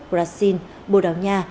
brazil bồ đào nha